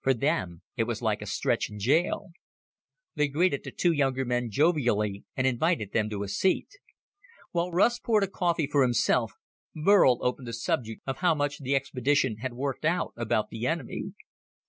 For them, it was like a stretch in jail. They greeted the two younger men jovially and invited them to a seat. While Russ poured a cup of coffee for himself, Burl opened the subject of how much the expedition had worked out about the enemy.